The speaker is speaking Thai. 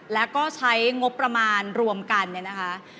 และก็ใช้งบประมาณรวมกันนะคะ